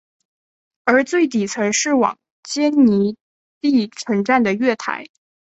而最底层是往坚尼地城站的月台。